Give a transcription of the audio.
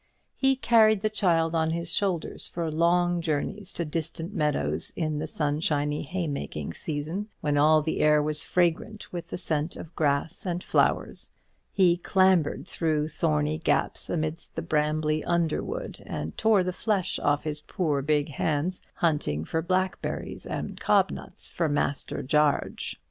He carried the child on his shoulders for long journeys to distant meadows in the sunshiny haymaking season, when all the air was fragrant with the scent of grass and flowers; he clambered through thorny gaps amidst the brambly underwood, and tore the flesh off his poor big hands hunting for blackberries and cob nuts for Master "Jarge."